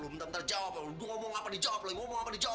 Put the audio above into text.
gue bentar bentar jawab gue ngomong apa dijawab lagi